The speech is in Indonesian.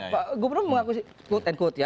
pak gubernur mengaku quote and quote ya